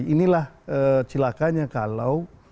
inilah celakanya kalau